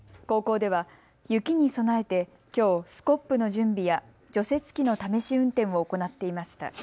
高校では雪に備えてきょう、スコップの準備や除雪機の試し運転を行っていました。